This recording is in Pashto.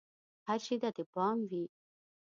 هر شي ته دې پام وي!